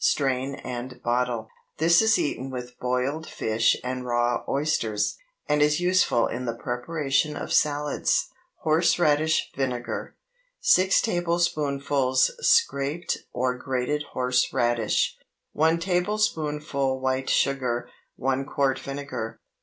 Strain and bottle. This is eaten with boiled fish and raw oysters, and is useful in the preparation of salads. HORSE RADISH VINEGAR. 6 tablespoonfuls scraped or grated horse radish. 1 tablespoonful white sugar. 1 quart vinegar.